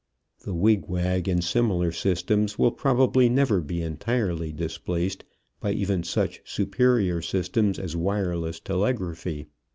The wig wag and similar systems will probably never be entirely displaced by even such superior systems as wireless telegraphy.